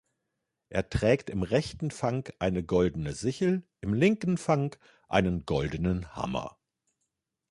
Er trägt im rechten Fang eine goldene Sichel, im linken Fang einen goldenen Hammer.